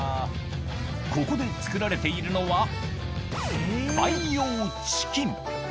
ここで作られているのは、培養チキン。